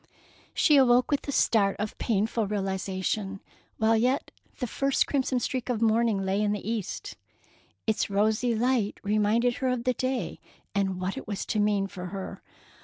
She awoke with a start of painful realization, while yet the first crimson streak of morning lay in the east. Its rosy light reminded her of the day, and what it was to mean for her.